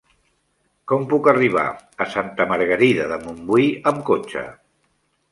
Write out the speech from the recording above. Com puc arribar a Santa Margarida de Montbui amb cotxe?